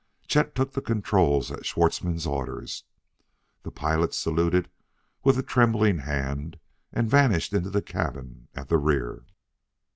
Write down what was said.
Chet took the controls at Schwartzmann's order; the pilot saluted with a trembling hand and vanished into the cabin at the rear.